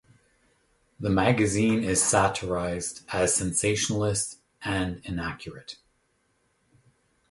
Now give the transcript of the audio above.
The magazine is satirized as sensationalist and inaccurate.